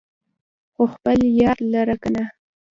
خو خپل يار لره کنه